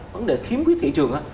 vấn đề thiếm quyết thị trường đó